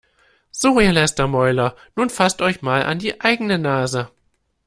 So, ihr Lästermäuler, nun fasst euch mal an die eigene Nase!